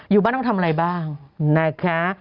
อยู่บ้านต้องทำอะไรบ้างนะคะ